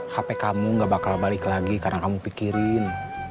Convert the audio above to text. hp kamu gak bakal balik lagi karena kamu pikirin